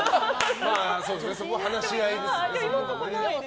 そこは話し合いですね。